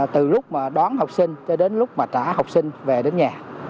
từ lúc đón học sinh đến lúc trả học sinh